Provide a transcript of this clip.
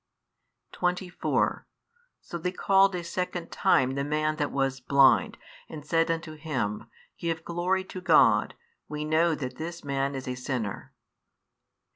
24 So they called a second time the man that was blind, and said unto him, Give glory to God: we know that this man is a sinner.